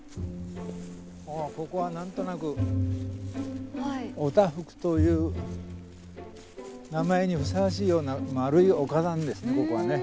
ここは何となく「おたふく」という名前にふさわしいような丸い丘なんですね